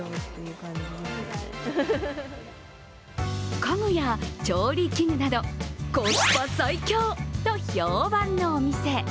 家具や調理器具などコスパ最強と評判のお店。